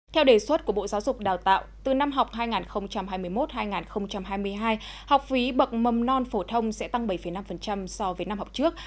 theo đề xuất của bộ giáo dục đào tạo từ năm học hai nghìn hai mươi một hai nghìn hai mươi hai học phí bậc mầm non phổ thông sẽ tăng bảy năm so với năm học trước